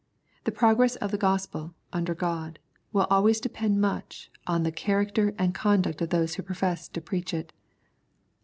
The progress of the Gospel, under God, will always depend much on the char acter and conduct of those who profess to preach it.